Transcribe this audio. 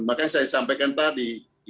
makanya saya sampaikan tadi